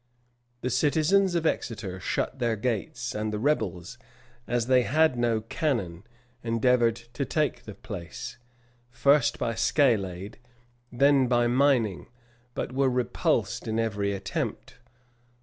[] The citizens of Exeter shut their gates; and the rebels, as they had no cannon, endeavored to take the place, first by scalade, then by mining; but were repulsed in every attempt.